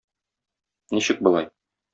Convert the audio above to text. Ничек болай?